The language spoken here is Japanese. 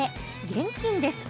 現金です。